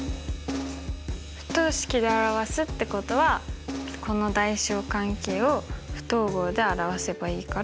不等式で表すってことはこの大小関係を不等号で表せばいいから。